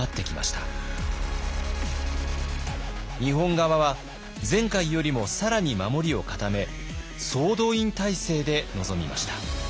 日本側は前回よりも更に守りを固め総動員態勢で臨みました。